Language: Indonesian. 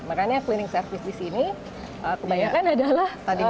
makanya cleaning service di sini kebanyakan adalah mereka yang